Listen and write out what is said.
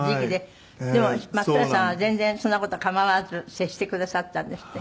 でも松任谷さんは全然そんな事構わず接してくださったんですって？